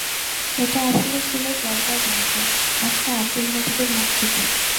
এটা আসলে ছিল জর্দার গন্ধ, আসত আব্দুল মজিদের মুখ থেকে।